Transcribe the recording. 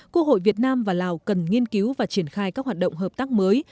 quốc hội việt nam và lào cần nghiên cứu và triển khai các hoạt động hợp tác mới